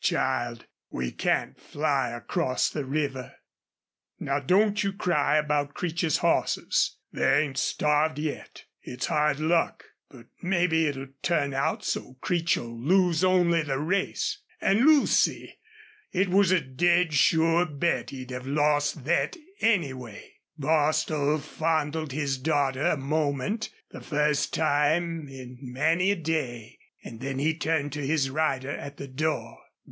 "Child, we can't fly acrost the river. Now don't you cry about Creech's hosses. They ain't starved yet. It's hard luck. But mebbe it'll turn out so Creech'll lose only the race. An', Lucy, it was a dead sure bet he'd have lost thet anyway." Bostil fondled his daughter a moment, the first time in many a day, and then he turned to his rider at the door.